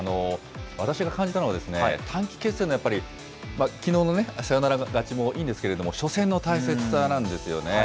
私が感じたのは、短期決戦のきのうのサヨナラ勝ちもいいんですけれども、初戦の大切さなんですね。